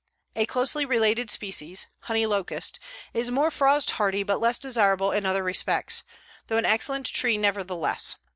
A closely related species, honey locust, is more frost hardy but less desirable in other respects, though an excellent tree nevertheless.